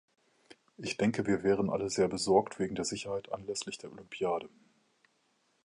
Ich denke, wir wären alle sehr besorgt wegen der Sicherheit anlässlich der Olympiade.